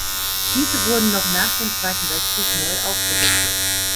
Diese wurden noch nach dem Zweiten Weltkrieg neu aufgelegt.